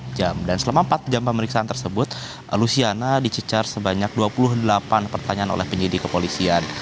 empat jam dan selama empat jam pemeriksaan tersebut luciana dicecar sebanyak dua puluh delapan pertanyaan oleh penyidik kepolisian